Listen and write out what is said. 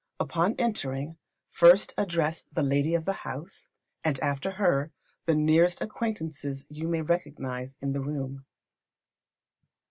Upon entering, first address the lady of the house; and after her, the nearest acquaintances you may recognise in the room.